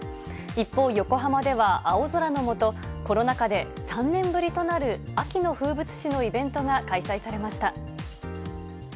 一方、横浜では青空の下、コロナ禍で３年ぶりとなる秋の風物詩のイベントが開催されました。